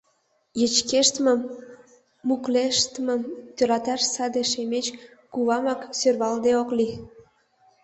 Йычкештмым, муклештмым тӧрлаташ саде Шемеч кувамак сӧрвалыде ок лий.